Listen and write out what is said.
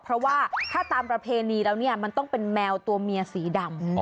เพราะว่าถ้าตามประเพณีแล้วเนี่ยมันต้องเป็นแมวตัวเมียสีดำ